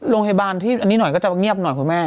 รองบารนี้หน่อยก็จะเงียบหน่อยครับแม่